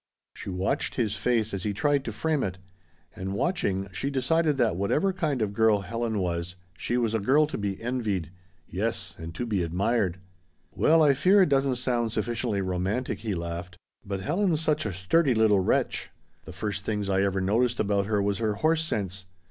She watched his face as he tried to frame it. And watching, she decided that whatever kind of girl Helen was, she was a girl to be envied. Yes, and to be admired. "Well I fear it doesn't sound sufficiently romantic," he laughed, "but Helen's such a sturdy little wretch. The first things I ever noticed about her was her horse sense.